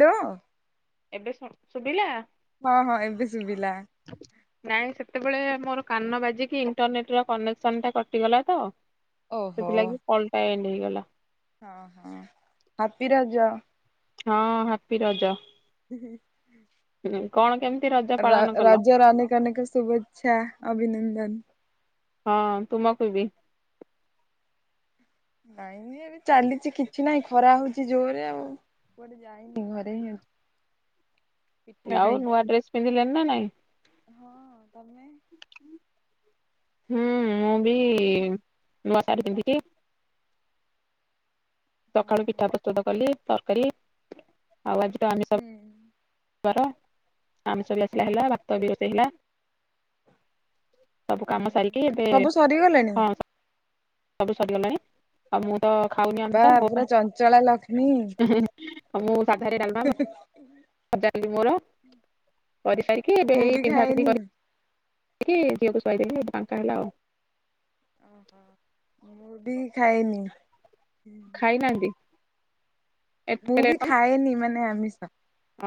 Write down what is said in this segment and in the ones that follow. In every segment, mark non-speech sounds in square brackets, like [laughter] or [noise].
Hello. ଏବେ ଶବ ଶୁଭିଲା। ହଁ ହଁ ଏବେ ଶୁବିଲା। ହ ନାଇଁ ସେତେବେଳେ ମୋର କାନ ବାଜିକି ଇଣ୍ଟରନେଟ ର କନେକ୍ସନ ଟା କଟିଗଲା ତ। ଓହୋ। ସେଥିଲାଗି କଲଟା ଏଣ୍ଡ ହେଇଗଲା। ହାପି ରାଜ। ହଁ ହାପି ରଜ। ହ କଣ କେମିତି ର ର ରଜର ଅନେକ ଅନେକ ଶୁଭେଚ୍ଛା ଅଭିନନ୍ଦନ। ହଁ ତୁମକୁ ବି। ନାଇଁ ନାଇଁ, ଏବେ ଚାଲିଛି କିଛି ନାହିଁ। ଖରା ହଉଛି ଜୋରେ ଆଉ। ମୁଁ କୁଆଡ଼େ ଯାଇନି, ଘରେ ହିଁ ଅ ଆଉ ନୂଆ ଡ୍ରେସ ପିନ୍ଧିଲଣି ନା ନାଇଁ? ହଁ। ତମେ? ହୁଁ, ମୁଁ ବି ନୂଆ ପିନ୍ଧିଲି। ହୁଁ ସକାଳୁ ପିଠା ପ୍ରସ୍ତୁତ କଲି, ତରକାରୀ। ଆଉ ଆଜି ତ ଆମିଷ ହୁଁ। ହେବାର, ଆମିଷ ବି ଆସିଲା ହେଲା, ଭାତ ବି ରୋଷେଇ ହେଲା ସବୁ କାମ ସାରିକି ଏବେ ସବୁ ସରିଗଲାଣି? ହଁ, ସବୁ ସରିଗଲାଣି। ଆଉ ମୁଁ ତ ଖାଉନି ବାବା ଆମିଷ ମୋ ପୁରା ଚଞ୍ଚଳା ଲକ୍ଷ୍ମୀ ପାଇଁ ଉଁ ହୁଁ, ମୁଁ ସାଧାରେ ଡାଲମା କରି ଭଜା କରି ମୋର, କରି ସାରିକି ଏବେ ମୁଁ ଏଇ ବି ପିନ୍ଧା ପିନ୍ଧି ଖାଏନି। କରି କି ଝିଅକୁ ଶୁଆଇଦେଲି, ଏଇଠି ଫାଙ୍କା ହେଲା ଆଉ। ଓହୋ। ମୁଁ ବି ଖାଇନି, ହୁଁ। ଖାଇନାହାଁନ୍ତି? ମୁଁ ବି ଖାଏନି ମାନେ ଆମିଷ।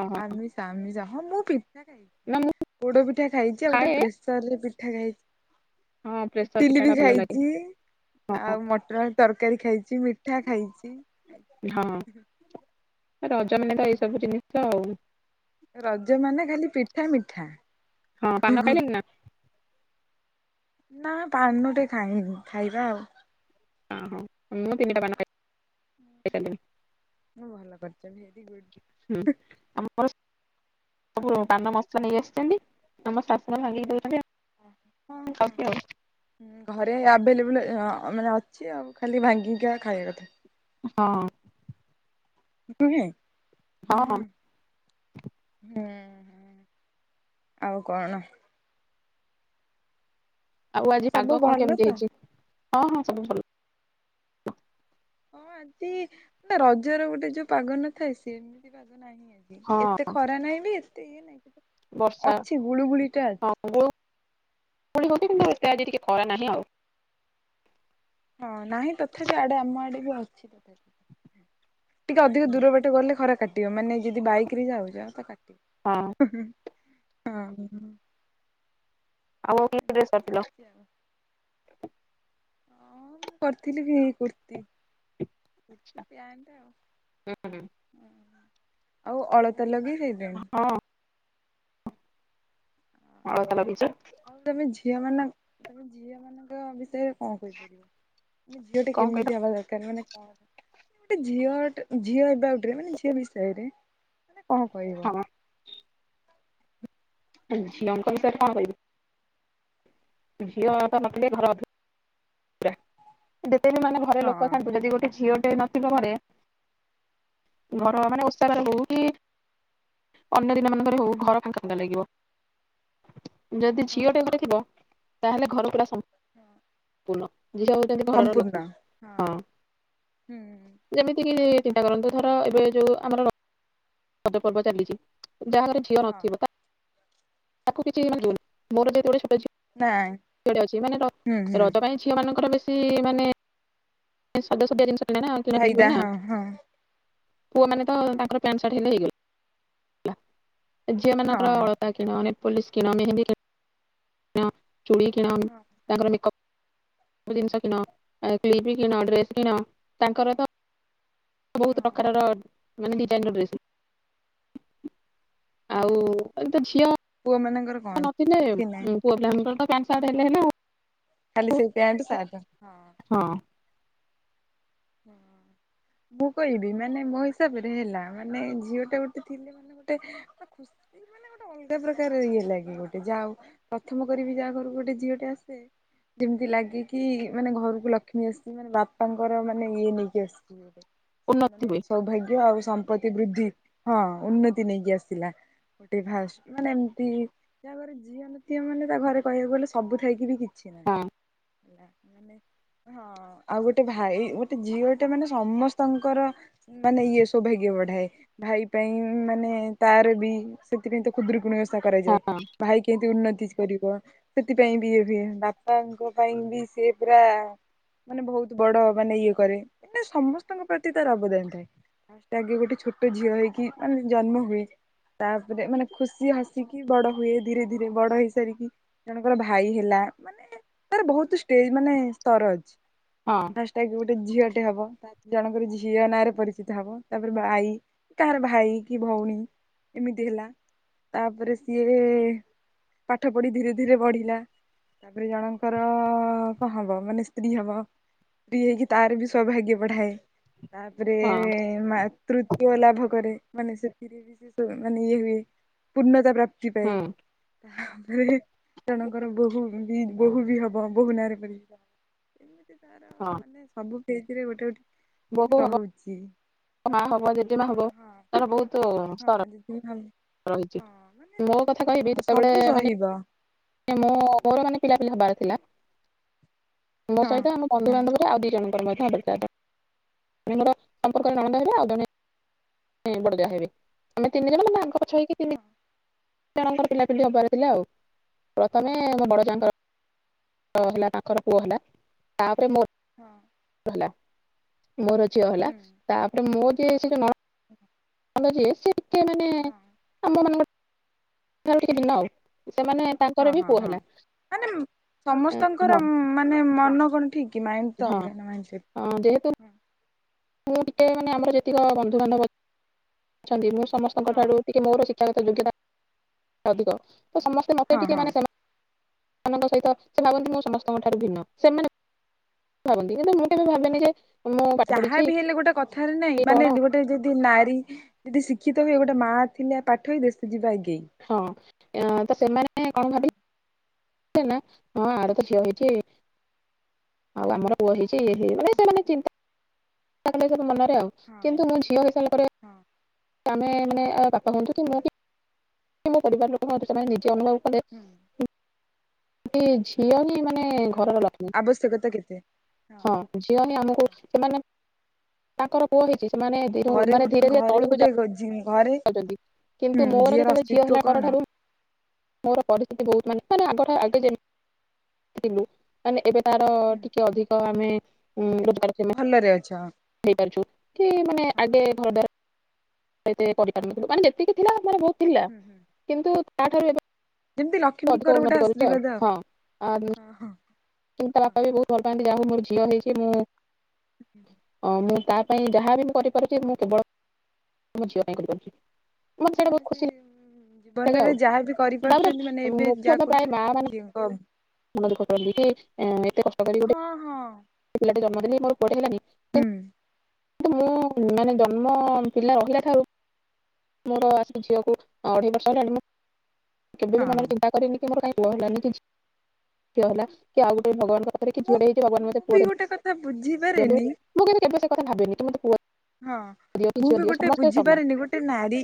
ଓହୋ ଆମିଷ ଆମିଷ, ହଁ ମୁଁ ପି ପିଠା ଖାଏ। ନା ମୁଁ ପୋଡ ପିଠା ଖାଇଛି ଆଉ ଗୋଟେ ଖାଏ ପ୍ରେସରରେ ପିଠା ଖାଇ ହଁ ପ୍ରେସର ଇଟିଲି ପିଠା ବି ଟା ଭଲ ଲାଗେ ଖାଇଛି ଆଉ ହଁ ମଟର ଆଳୁ ତରକାରୀ ଖାଇଛି, ମିଠା ଖାଇଛି ହଁ। ଆ ରଜମାନେ ତ ଏଇ ସବୁ ଜିନିଷ ଆଉ। ଏ ରଜ ମାନେ ଖାଲି ପିଠା, ମିଠା। ହଁ, ପାନ ଖାଇଲେଣିି ନା? ନା ପାନଟେ ଖାଇନି, ଖାଇବା ଆଉ। ଅ ହଁ। ମୁଁ ତିନିଟା ପାନ ଖାଇ ଖାଇସାରିଲିଣି। ହଁ ଭଲ କରିଚ। Very good. ହୁଁ, ଆମର ସବୁ ପାନ ମସ ନେଇ ଆସିଛନ୍ତି ଆମ ଶାଶୂମାନେ ଭାଙ୍ଗିକି ଦଉଚନ୍ତି, ହଁ ମୁଁ ଖାଉଚି ଆଉ। ହଁ, ଘରେ ଆଭେଲେବୁଲ୍ ଅ ମାନେ ଅଛି ଆଉ ଖାଲି ଭାଙ୍ଗିକି ଖାଇବା କଥା। ହଁ। [unintelligible] ଉଁ ହଁ ହଁ ହୁଁ। ହୁଁ ହୁଁ, ଆଉ କଣ? ଆଉ ଆଜି ସବୁ ପାଗ କଣ ଭଲ ତ? କେମତି ହେଇଛି? ହଁ ହଁ ସବୁ ଭଲ। ହଁ ଆଜି, ମାନେ ରଜର ଗୋଟେ ଯୋଉ ପାଗ ନ ଥାଏ, ସେମିତି ପାଗ ନାହିଁ ଆଜି। ହଁ ନାହିଁକି, ଏତେ ଖରା ନାହିଁ ବି ଏତେ ଇଏ ନାଇଁ କିନ୍ତୁ ବର୍ଷା ଅଛି ଗୁଳୁଗୁଳିଟା ହଁ ଅଛି। ଗୁଳୁଗୁଳି ହଉନି କିନ୍ତୁ ଏତେ ଆଜି ଟିକେ ଖରା ନାହିଁ ଆଉ। ହଁ, ନାହିଁ ତଥାପି ଆଡେ ଆମ ଆଡେ ବି ଅଛି। ଟିକେ ଅଧିକ ଦୂର ବାଟ ଗଲେ ଖରା କାଟିବ, ମାନେ ଯଦି ବାଇକରେ ଯାଉଛ ତ କାଟିବ। ହଁ। ହଁ ହଁ। ଆଉ ଆଉ କି ଡ୍ରେସ୍ ଏମିତି କରିଥିଲ? [unintelligible] ହଁ, ମୁଁ କରିଥିଲି ବି ଏଇ କୁର୍ତ୍ତି। କୁର୍ତି ପ୍ୟାଣ୍ଟ୍ ଆଉ। ଆଉ ଅଳତା ଲଗେଇ [unintelligible] ହଁ ଅଳତା ଲଗେଇଚ? ଆଉ ତମେ ଝିଅମାନଙ୍କ, ତମେ ଝିଅମାନଙ୍କ ବିଷୟରେ କଣ କହିପାରିବ, ମାନେ ଝିଅଟା କଣ କହିଲ କେମିତି ହବା ଦରକାର? ମାନେ କଣ ଗୋଟେ ଝିଅଟେ ଝିଅ ହେବା, ଏବାଉଟରେ ମାନେ ଝିଅ ବିଷୟରେ ମାନେ କଣ କହିବ? ହଁ ହଁ, ବିଷୟରେ କଣ କହିବି? ଝିଅ ତ ନଥିଲେ ଘର ଅଧୁ ରା। ଯେତେ ବି ମାନେ ଘରେ ହଁ ଲୋକ ଥାନ୍ତୁ ନା ଯଦି ଗୋଟେ ଝିଅଟେ ନଥିବ ଘରେ ହୁଁ ଘର ମାନେ ଓଷା ବାର ହଉଚି। ଅନ୍ୟ ଦିନ ମାନଙ୍କରେ ହଉ ଘର ଫାଙ୍କା ଫାଙ୍କା ଲାଗିବ। ଯଦି ହଁ ଝିଅଟେ ଘରେ ହଁ ଥିବ ତାହେଲେ ଘର ପୁରା ସମ୍ ମ୍ପୂର୍ଣ୍ଣ ଝିଅ ହେଉଚି ଘରର ଲକ୍ଷ୍ମୀ ହଁ। ହୁଁ ଯେମିତିକି ଚିନ୍ତା କରନ୍ତୁ ଧର ଏବେ ଯୋଉ ଆମର ରଜ ପର୍ବ ଚାଲିଚି ଯାହା ଘରେ ଝି଼ ଝିଅ ହଁ ନଥିବ ତାକୁ ତାକୁ କିଛି ଲାଗିବନି ମୋର ଯେହେତୁ ଗୋଟେ ଛୋଟ ଝିଅ ନାଁ। ଝିଅଟେ ଅଛି। ମାନେ ରଜ୍ ରଜ ପାଇଁ ଝିଅ ମାନଙ୍କର ବେଶୀ ମାନେ ସାଜସଜା ଜିନିଷ ଚାହିଦା ହଁ [unintelligible] ହଁ ପୁଅ ମାନେ ତ ହଁ ତାଙ୍କର ପ୍ୟାଣ୍ଟ୍ ସାର୍ଟ ହେଲେ ହେଇଗଲା। ଝିଅ ମାନଙ୍କର ହଁ ଅଳତା କିଣ ନେଲପୋଲିସ କିଣ ମେହେନ୍ଦୀ କି କିଣ ଚୁଡି କିଣ ହଁ ତାଙ୍କର ମେକପ୍ ବୁ ହଁ ଜିନିଷ କିଣ। କ୍ଲିପ କିଣ। ଡ୍ରେସ୍ କିଣ ତାଙ୍କର ତ ବହୁତ ହଁ ପ୍ରକାରର ମାନେ ଡିଜାଇନ ଡ୍ରେସ୍। ହଁ ଆଉ ତ ଝିଅ ପୁଅ ମାନଙ୍କର କଣ ନଥିଲେ କିଛି ନାହିଁ ପୁଅ ପିଲା ମାନଙ୍କର ତ ପ୍ୟାଣ୍ଟ ସାର୍ଟ ହେଲେ ହେଲା ଆଉ। ଖାଲି ସେଇ ପ୍ୟାଣ୍ଟ୍ ସାର୍ଟ। ହଁ ହଁ। ମୁଁ କହିବି ମାନେ ମୋ ହିସାବରେ ହେଲା ମାନେ ଝିଅଟା ଗୋଟେ ଥିଲେ ଗୋଟେ ଖୁସି ମାନେ ଗୋଟେ ଅଲଗା ପ୍ରକାର ଇଏ ଲାଗେ ଗୋଟେ ଯାଉ ପ୍ରଥମ କରି ବି ଯାହା ଘରକୁ ଗୋଟେ ଝିଅଟେ ଆସି ଥାଏ ଯେମିତି ଲାଗେ କି ମାନେ ଘରକୁ ଲକ୍ଷ୍ମୀ ଆସିଚି, ମାନେ ବାପାଙ୍କର ମାନେ ମାନେ ଇଏ ନେଇକି ଆସିଚି। ଗୋଟେ ଉନ୍ନତି ମାନେ ହୁଏ ସୌଭାଗ୍ୟ ଆଉ ସମ୍ ତ୍ତି ବୃଦ୍ଧି ହଁ ଉନ୍ନତି ନେଇକି ଆସିଲା। ଗୋଟେ ଫାଷ୍ଟ ମାନେ ଏମିତି ଯାହା ଘରେ ଝିଅ ନଥିବେ ମାନେ ତା ଘରେ କହିବାକୁ ଗଲେ ସବୁ ଥାଇକି କିଛି କିଛି ନାଇଁ ହଁ ହେଲା ମାନେ ହଁ ଆଉ ଗୋଟେ ଭାଇ ହ ଝିଅଟେ ମାନେ ସମସ୍ତଙ୍କର ମାନେ ଇଏ ସୌଭାଗ୍ୟ ବଢାଏ। ଭାଇ ପାଇଁ ମାନେ ତାରବି ସେଥିପାଇଁ ତ ଖୁଦୁରୁକୁଣୀ ଓଷା କରାଯାଏ ହଁ ଭାଇ କେମିତି ଉନ୍ନତି କରିବ ସେଥିପାଇଁ ବି ହୁଏ ବାପାଙ୍କ ପାଇଁ ବି ସିଏ ପୁରା ମାନେ ବହୁତ ବଡ ମାନେ ଇଏ କରେ। ମାନେ ସମସ୍ତଙ୍କ ପ୍ରତି ତାର ଅବଦାନ ଥାଏ। ଫାଷ୍ଟ ଆଗେ ଗୋଟେ ଛୋଟ ଝିଅ ହେଇକି ମାନେ ଜନ୍ମ ହୁଏ। ତାପରେ ମାନେ ଖୁସି ହସିକି ବଡ ହୁଏ। ଧୀରେ ଧୀରେ ବଡ ହେଇସାରିକି ଜଣଙ୍କର ଭାଇ ହେଲା ମାନେ ତାର ବହୁତ ଷ୍ଟେଜ ମାନେ ସ୍ତର ଅଛି। ହଁ ଫାଷ୍ଟ ଆଗ ଗୋଟେ ଝିଅଟେ ହବ। ଜଣଙ୍କର ଝିଅ ନାଁରେ ପରିଚିତ ହବ ତାପରେ ଭାଇ କାହାର ଭାଇ କି ଭଉଣୀ ଏମିତି ହେଲା ତାପରେ ସିଏ ପାଠ ପଢି ଧୀରେ ଧୀରେ ବଢିଲା। ତାପରେ ଜଣଙ୍କର କଣ ହବ ମାନେ ସ୍ତ୍ରୀ ହବ। ସ୍ତ୍ରୀ ହେଇକି ତାର ବି ସୌଭାଗ୍ୟ ବଢାଏ ତାପରେ ହଁ ମା ତୃତ୍ୟ ଲାଭ କରେ। ମାନେ ସେଥିରେ ବିଶେଷ ମାନେ ଇଏ ବି ହୁଏ ପୂର୍ଣ୍ଣତା ପ୍ରାପ୍ତି। ଯିବେ। ହୁଁ ତାପରେ ଜଣଙ୍କର ବୋହୂ ବି ବୋହୂ ବି ହବ ବୋହୂ ନାଁରେ କରି କେ ତାର ହଁ। ସବୁ ସେଥିରେ ଗୋଟେ ଗୋଟେ ମାନେ ରହୁଚି। ନ ହବ ଯଦି ନ ହବ ହବ ତାର ବହୁତ ସର ହଁ ମାନ ମୋ ହଁ କଥା ସବୁ ସହିବ। ମୋ ଘର ମାନେ ପିଲାପିଲା ହବାର ଥିଲା ମୋ ହଁ ସହିତ ଆମକୁ ହଁ ବନ୍ଧୁବାନ୍ଧବ ଆଉ ଦି ଜଣଙ୍କର ମଧ୍ୟ ଭାବର ହଁ ସମ୍ପର୍କରେ ନ ହେବେ ଆଉ ଜଣେ ହୁଁ ବଡଜାଆ ହେବେ ଆମେ ତିନି ଜିନ ମାନେ ଆଗ ପଛ ହେକି ତିନି ହଁ ଜଣଙ୍କର ପିଲାପିଲି ହବାରେ ଥିଲା। ଆଉ ହଁ ପ୍ରଥମେ ମୋ ବଡ ଯାଙ୍କର ହ ହେଲା ପାଖର ପୁଅ ହେଲା ତାପରେ ମୋ ହଁ। ହେଲା। ମୋର ଝିଅ ହେଲା। ତାପରେ ମୋ ଯି ନଣ ହୁଁ ଆମ ଯ ସେତେ ମାନେ ହଁ ଆମ ମାନଙ୍କଠୁ କି ଦିନ ଆଉ ସେମାନେ ହଁ ତାଙ୍କର ବି ହଁ ପୁଅ ହଁ। ହେଲା। ମାନେ ସମସ୍ତଙ୍କର ହଁ ମାନେ ମନ କଣ ଠିକ କି ମାଇଣ୍ଡ ତ ଅଲଗା ନା। ମାଇନ ସେ ହଁ ଯେହେତୁ ମୁଁ ଟିକେ ମାନେ ଆମର ଯେତିକ ବନ୍ଧୁବାନ୍ଧବ ଅଛନ୍ତି। ମୁଁ ସମସ୍ତଙ୍କ ହଁ ଠାରୁ ଟିକେ ମୋର ଶିକ୍ଷାଗତ ଯୋଗତା ଅଧିକ ତ ସମସ୍ତେ ମତେ ହଁ ଟିକେ ହଁ। ମାନେ ମାନଙ୍କ ସହିତ ସେ ଭାବନ୍ତି ମୁଁ ସମସ୍ତଙ୍କ ଠାରୁ ଭିନ୍ନ। ସେମାନେ ଭାବନ୍ତି କିନ୍ତୁ ମୁଁ ବି ଭାବିନି ଯେ ମୁଁ ପାଠ ଯାହା ପଢିଛି ବି ହେଲେ ଗୋଟେ କଥାରେ ନାଇଁ କି ମାନେ କଣ ଗୋଟେ ଗୋଟେ ଯଦି ନାରୀ ଯଦି ଶିକ୍ଷିତ ହୁଏ। ଗୋଟେ ମା ଥିଲେ ପାଠ ହଇ ଦେଶ ଯିବା ଆଗେଇ। ହଁ ତ ସେମାନେ କଣ ହଁ ଭାବେ ନା ହଁ ଆର ତ ଝିଅ ହେଇଛି। ଆଉ ଆମର ପୁଅ ହେଇଛି ଇ ମାନେ ସେମାନେ ଚିନ୍ତାଲେ ମନରେ ଆଉ ହଁ ହଁ କିନ୍ତୁ ମୋ ଝିଅ ହେଇସାର ପରେ ହଁ ଆମେ ମାନେ ଆ ପପା ହୁନ୍ତୁ କି ହୁଁ ମୁଁ କି ମୁଁ ପରିବାର ଲୋକେ ଜେ ନିଜେ ଅନୁଭବ କଲେ। ହୁଁ। ସେ ହୁଁ। ଝିଅ ହି ମାନେ ଘରର ଲକ୍ଷ୍ମୀ। ଆବଶ୍ୟକତା କେତେ ହଁ ଝିଅ ହିଁ ଆମକୁ ହଁ ସେମାନେ ତାଙ୍କର ପୁଅ ହେଇଛି ସେମାନେ ଘରେ ଗୋ ମାନେ ଧୀରେ ଧୀରେ ତଳକୁ ଯାଉ। [unintelligible] ଘରେ ହୁଁ କିନ୍ତୁ ମୋର ଝିଅର ଯେତେବେଳେ ଝିଅ ଅସ୍ତିତ୍ଵ ହେଲା କଣ ପରଠାରୁ ମୋର ପରିସ୍ଥିତି ବହୁତ ମାନେ ମେ ଆଗ ଆଗ ଯେଥିଲୁ ମାନେ ଏବେ ତାର ଟିକେ ଅଧିକ ଆମେ ଉ ରୋଜଗାର କ୍ଷମ ଭଲରେ ଅଛ। ହେଇପାରୁଛୁ କି ମାନେ ଆଗେ ଘରେ ଏତେ ପରି ପାରିନି ମାନେ ଯେତିକି ଥିଲା ମର ବହୁତ ଥିଲା କିନ୍ତୁ ତାଠାରୁ ଯେମିତି ଏବେ ଲକ୍ଷ୍ମୀଙ୍କର ଅଧିକ ଗୋଟେ ଉନ୍ନତି କରିଛି ଆଉ ଆଶୀର୍ବାଦ ହଁ। ହଁ ହଁ କି ତା ହଁ ବାପା ବି ବହୁତ ଭଲ ପାଆନ୍ତି ଯାହା ହଉ ମୋ ଝିଅ ହେଇଚି ମୁଁ ଅ ମୁଁ ତା ପାଇଁ ଯାହାବି ମୁଁ କରିପାରୁଛି ମୁଁ କେବଳ ମୋ ଝିଅ ପାଇଁ କରିପାରୁଛି। ମତେ ସେଇଟା ବହୁତ ମାନେ ସେ ଖୁସି ଲାଗେ ଜୀବନରେ ଆଉ ଯାହା ବି ତାପରେ କରିପାରୁଛନ୍ତି ମାନେ ଏବେ ଯାହା କରୁଛନ୍ତି ତାଙ୍କ ଝିଅଙ୍କ [unintelligible] କହିଲି କି ଏତେ କଷ୍ଟକରୀ ଗୋଟେ ହଁ ହଁ ସେ ପିଲାଟି ଜନ୍ମ ଦେଲି ମୋର ପୁଅଟେ ହେଲାନି ହୁଁ [unintelligible] ମୁଁ ହଁ ମାନେ ଜନ୍ମ ପିଲା ରହିଲାଠାରୁ ମୋର ଆସି ଝିଅକୁ ଅଢ଼େଇ ବର୍ଷ ହେଲା କେବେ ହଁ ବି ମନେ ହଁ ଚିନ୍ତା କରିନି ମୋର କାଇଁ ପୁଅ ହେଲାନି କି ଝି ଝୀଅ ହେଲା କି ଆଉ ଗୋଟେ ଭଗବାନଙ୍କର କି ମୁଁ ଝିଅ ଟେ ହେଇଛି ମୁଁ ମତେ ବି ପୁଅ ଟେ ଗୋଟେ କଥା ଦିଅନ୍ତୁ ବୁଝିପାରେନି ମୁଁ କି କେବେ ସେ କଥା ଭାବିନି କି ମତେ ପୁଅ ହଁ ଦିଅ କି ମୁଁ ଝିଅ ବି ଦିଅ ଗୋଟେ ସମସ୍ତେ ସମାନ ବୁଝିପାରେନି ଗୋ ଗୋଟେ ନାରୀ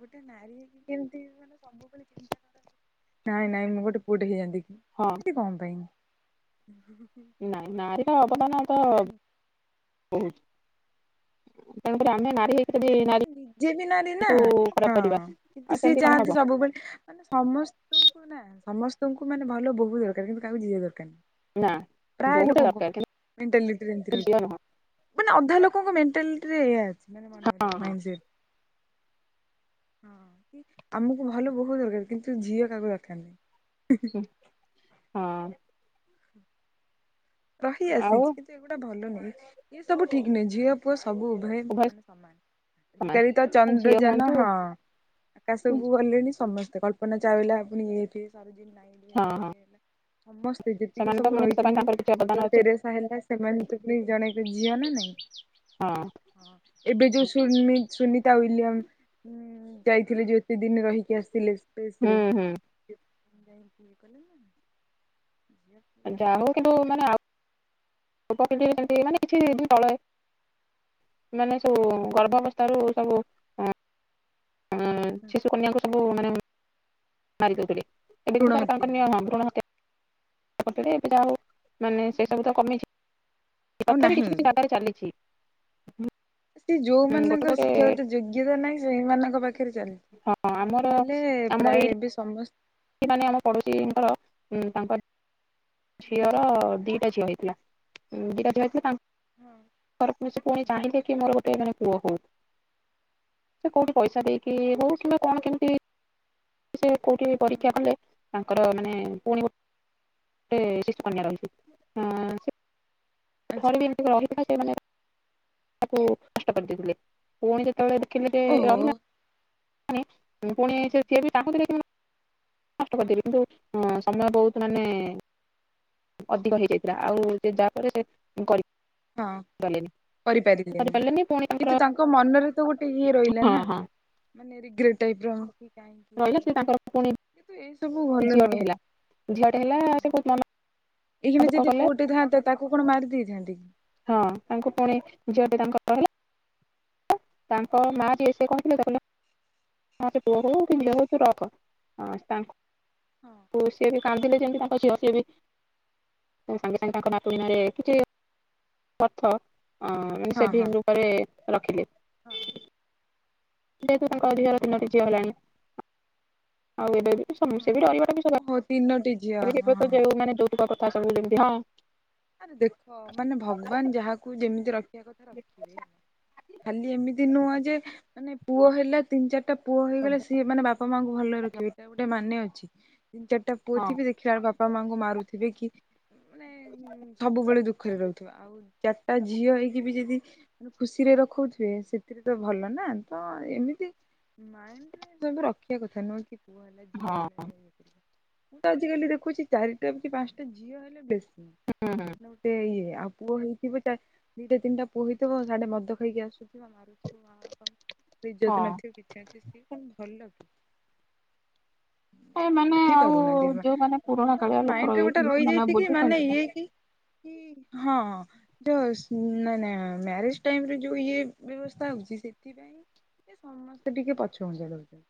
ଗୋଟେ ନାରୀ ହେଇକି କେମିତି ମାନେ ସବୁବେଳେ ଚିନ୍ତା କରନ୍ତି ନାଇଁ ନାଇଁ ମୁଁ ଗୋଟେ ପୁଅ ଟେ ହେଇଯାଆନ୍ତି କି ହଁ ଏମିତି କଣ ପାଇଁ। ନାଇଁ ନାରୀର ଅବଦାନ ତ ସେ ବହୁତ୍। ତାପରେ ଆମେ ନାରୀ ହେଇ ସେ ନିଜେ ବି ନାରୀ ନା ଖରାପ ହଁ କରିବା କିନ୍ତୁ ଆଉ ସିଏ ସେମିତି କଣ ଚାହାନ୍ତି ହବ ସବୁବେଳେ ମାନେ ସମସ୍ତଙ୍କୁ ନା ସମସ୍ତଙ୍କୁ ମାନେ ଭଲ ବୋହୁ ଦରକାର କିନ୍ତୁ କାହାକୁ ଝିଅ ଦରକାର ନା ନାଇ। ପ୍ରାୟ ବୋହୂଟା ଲୋକଙ୍କୁ ଦରକାର ମେଣ୍ଟାଲିଟି ରେ ଏମିତି କିନ୍ତୁ ରହି ଝିଅ ନୁହଁ ମାନେ ଅଧା ଲୋକଙ୍କ ମେଣ୍ଟାଲିରେ ଏଇଆ ଅଛି ମାନେ ମନ ହଁ ରେ ହଁ ମାଇଣ୍ଡ ସେଟ୍ ହଁ କି ଆମକୁ ଭଲ ବୋହୁ ଦରକାର କିନ୍ତୁ ଝିଅ କାହାକୁ ଦରକାର ନାଇଁ। ହୁ ହଁ। ରହି ଆଉ ଆସିଛି କିନ୍ତୁ ଏଗୁଡା ଭଲ ନୁହେଁ ଏ ସବୁ ଠିକ ନୁହଁ ଝିଅ ପୁଅ ସବୁ ଉଭୟେ ଉଭୟ ମାନେ ସମାନ। ଆଜିକାଲି ତ ସମାନ ଝିଅ ଚନ୍ଦ୍ରଯାନ ହୁଅନ୍ତୁ ହଁ ହଁ ଆକାଶକୁୁ ଗଲେଣି ସମସ୍ତେ କଳ୍ପ ନା ଚାୱଲା ପୁଣି ଇଏ ସରୋଜିନୀ ନାଇଡୁ ହେଲା ହଁ ଏଇ ହେଲା। ସମସ୍ତେ ଯେତିକି ସେମାନେ ତ ସବୁ ପୁଣି ଦେଶ ପାଇଁ ରହିଚନ୍ତି ତାଙ୍କର କିଛି ଅବଦାନ ମଦର ଅଛି। ଟେରେସା ହେଲା ସେମାନେ ତ ପୁଣି ଜଣେ ଝିଅ ନା ନାଇଁ। ହଁ ଏବେ ଯୋଉ ସୁନି ସୁନିତା ୱିଲିୟମ ଉଁ ଯାଇଥିଲେ ଯୋଉ କେତେ ଦିନ ରହିକି ଆସିଲେ ହୁଁ ସ୍ପେସ୍ ରେ। ହୁଁ ଯାଇକି ଇଏ କଲେ ନା [unintelligible] ଆ ଯାଉ କଣ କିନ୍ତୁ ଫରକ ମାନେ ଆଉ ଅଛି। [unintelligible] ମାନେ କିଛି ଦିନ ତଳେ ମାନେ ସବୁ ଗର୍ଭାବସ୍ଥା ରୁ ସବୁ ହୁଁ ଶିଶୁ କନ୍ୟାକୁ ସବୁ ମାନେ ମାରି ଦଉଥିଲେ ଏବେ ଭ୍ରୁଣ କିନ୍ତୁ ହତ୍ୟା ସରକାରଙ୍କ ହଁ ନିୟମ ଭ୍ରୁଣ ତା ପରେ ଏବେ ଯାହା ହୋଉ ମାନେ ସେ ସବୁ ତ କମିଚି ଆଉ ତଥାପି କିଛି ନାହିଁ। କିଛି ଜାଗାରେ ଚାଲିଚି। ସେ ଗୋଟେ ଯୋଉମାନଙ୍କର ଗୋଟେ ଶିକ୍ଷାଗତ ଯୋଗ୍ୟତା ନାଇ ସେଇମାନଙ୍କ ପାଖରେ ଚାଲେ। ହଁ ଆମର ନହେଲେ ପ୍ରାୟ ଏବେ ସମସ ଏଇ ମାନେ ଆମ ପଡୋଶୀଙ୍କର ଉଁ ତାଙ୍କର ଝିଅର ହଁ ଦିଟା ଝିଅ ହେଇଥିଲା ଉଁ ଦିଟା ଝିଅ ହେଇଥିଲା ତାଙ୍କର ସେ ପୁଣି ଚାହିଁଲେ କି ମୋର ଗୋଟେ ମାନେ ପୁଅ ହଉ ସେ କୋଉଠି ପଇସା ଦେଇକି ହଁ। ହଉ କିମ୍ବା କଣ କେମିତି ସେ କୋଉଠି ପରୀକ୍ଷା କଲେ ତାଙ୍କର ମାନେ ପୁଣି ଗୋ ଟେ ଶିଶୁ କନ୍ୟା ରହିଚି ହଁ ସେ ଆଚ୍ଛା ଥରେ ବି ରହିଥିଲା ସିଏ ମାନେ ତାକୁ ନଷ୍ଟ କରି ଦେଇଥିଲେ। ପୁଣି ଯେତେବେଳେ ଦେଖିଲେ ଜେ ଓହୋ ରହିଲା ପୁଣି ସେ ସିଏ ବି ଚାଁହୁଥିଲେ କି [unintelligible] ନଷ୍ଟ କରିଦେବି କିନ୍ତୁ ସମୟ ବହୁତ ମାନେ ଅଧିକ ହେଇଯାଇଥିଲା ଆଉ ସେ ଯାଆ ପରେ ସେ କରି ହଁ ପଲେନି କରିପାରିଲେନି କିନ୍ତୁ ତାଙ୍କ ମନରେ ତ ଗୋଟେ ଇଏ ହଁ ରହିଲା ନା। ହଁ ମାନେ ରିଗ୍ରେଟ ଟାଇପ୍ ର। କାହିଁକି ରହିଲା ସେ ହେଲା ତାଙ୍କର ପୁଣି କିନ୍ତୁ ଏଇ ସବୁ ଭଲ ଝିଅଟେ ନୁହେଁ ହେଲା ଝିଅଟେ ହେଲା ହଁ। ସେ ବହୁତ ମନ ଏହିଇନା ଦୁଃଖ ଯଦି କଲେ ପୁଅଟି ଥାନ୍ତେ ତାକୁ କଣ ମାରି ଦେଇଥାନ୍ତି କି? ହଁ ତାଙ୍କୁ ପୁଣି ଝିଅଟି ତାଙ୍କର ରହିଲା। ତାଙ୍କ ମା ଯିଏ ସେ କହିଥିଲେ ତ କହିଲେ ହଁ ସେପୁଅ ହଉ କି ହଁ ଝିଅ ହଉ ତୁ ରଖ ତାଙ୍କୁ ହଁ। ସିଏ ବି କାନ୍ଦିଲେ ଯେମିତି ତାଙ୍କ ଝିଅ ସିଏ ବି ସାଙ୍ଗେ ସାଙ୍ଗେ ତାଙ୍କ ନାତୁଣି ନାଁ ରେ କିଛି ଅର୍ଥ ସେଭିଂ ମାନେ ରୁପରେ ରଖିଲେ। ହଁ। ଯେହେତୁ ତାଙ୍କ ଝିଅର ତିନୋ ଟି ଝିଅ ହେଲାଣି ଆଉ ଏବେ ବି ସମେ ସେ ବି ହଁ। ରହିବାଟା ଓହୋ ତିନୋଟି ଝିଅ ହଁ [unintelligible] ଯୋଉ ମାନେ ଯୌତୁକକଥା ସବୁ ଯେମିତି ହଁ। ଆରେ ଦେଖ ମାନେ ଭଗବାନ ଯାହାକୁ ଯେମିତି ରଖିବା କଥା ରଖିବେ ଖାଲି ଏମିତି ତି ନୁହଁ ଯେ ମାନେ ପୁଅ ହେଲା ତିନି ଚାରିଟା ପୁଅ ହେଇଗଲେ ସିଏ ମାନେ ବାପା ମାଆଙ୍କୁ ଭଲ ରଖିବେ ଏଇଟା ଗୋଟେ ମାନେ ଅଛି ଚାରିଟା ପୁଅ ହଁ ଥିବେ ଦେଖ ଖିଲା ବେଳକୁ ବାପା ମାଆଙ୍କୁ ମାରୁଥିବେ କି ମାନେ ଯୋଉ ସବୁବେଳେ ଦୁଃଖରେ ରହୁଥିବା ଆଉ ଚାରିଟା ଝିଅ ହେଇକି ବି ଯଦି ଖୁସିରେ ରଖୁଥିବେ ସେଥିରେ ତ ଭଲ ନା ତ ଏମିତି ମାଇଣ୍ଡ ସବୁ ରଖିବା କଥା ନୁହଁ କି। ପୁଅ ହେଲା ହଁ ଝିଅ ହେଲେ ମୁଁ ତ ଆଜିିକାଲି ଦେଖୁଛି ଚାରିଟା କି ପାଞ୍ଚଟା ଝିଅ ହେଲେ ବେଶୀ ହଁ ହଁ। ଗୋଟେ ଇଏ ଆଉ ପୁଅ ହେଇଥିବ ଦିଟା ତିନିଟା ପୁଅ ହେଇଥିବ ସାଢେ ମଦ ଖାଇକି ଆସୁଥିବ ମାରୁ [unintelligible] ହଁ। କିଛି ନ ଥିବ ସେ କଣ ଭଲ। ଏ କିନ୍ତୁ ମାନେ ବୁଝି ଆଉ ପାରୁନାହାନ୍ତି ମା ଯୋଉମାନେ ପୁରୁଣା କାଳିଆ ସମସ୍ତଙ୍କ ଲୋକ ମାଇଣ୍ଡ ରେ ଗୋଟେ ରହିଯାଇଛନ୍ତି ସେମାନେ ଆଉ ରହିଯାଇଛି କି ମାନେ ବୁଝୁଛନ୍ତି। ଇଏ ହଁ। ଯ ନ ନା ମ୍ୟାରେଜ ଟାଇମରେ ଯୋଉ ଇଏ ବ୍ୟବସ୍ଥା ହଉଛି ସେଥିପାଇଁ ସମସ୍ତେ ଟିକେ ପଛ ଘୁଞ୍ଚା ଦଉଛନ୍ତି।